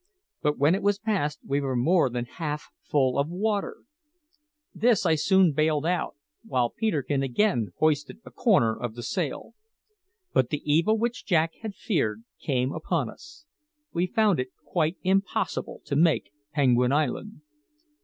But when it was past we were more than half full of water. This I soon bailed out, while Peterkin again hoisted a corner of the sail. But the evil which Jack had feared came upon us. We found it quite impossible to make Penguin Island.